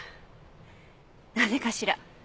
なぜかしら。